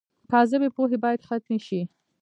کاذبې پوهې باید ختمې شي.